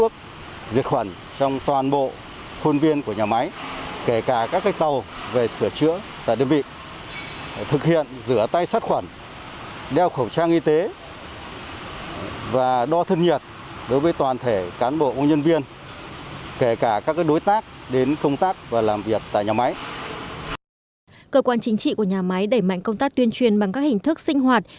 cơ quan chính trị của nhà máy đẩy mạnh công tác tuyên truyền bằng các hình thức sinh hoạt